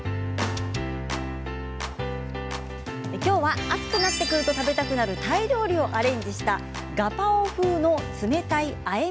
きょうは暑くなってくると食べたくなるタイ料理をアレンジしたガパオ風の冷たいあえ